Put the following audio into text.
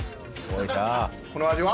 この味は？